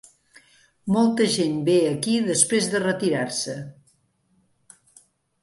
Molta gent ve aquí després de retirar-se.